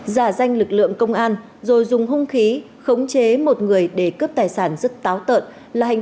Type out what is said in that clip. giả danh lực lượng công an rồi dùng hung khí khống chế một người để cướp tài sản rất táo tợn là hành